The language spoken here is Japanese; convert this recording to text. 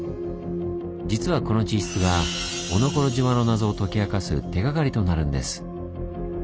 実はこの地質がおのころ島の謎を解き明かす手がかりとなるんです。